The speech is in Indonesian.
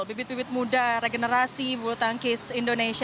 bibit bibit muda regenerasi butangkis indonesia